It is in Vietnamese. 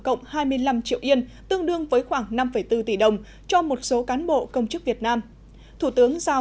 cộng hai mươi năm triệu yên cho một số cán bộ công chức việt nam thủ tướng giao